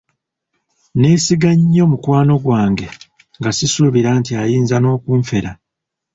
Nneesiga nnyo mukwano gwange nga sisuubira nti ayinza n'okunfera.